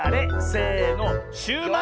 せのシューマイ！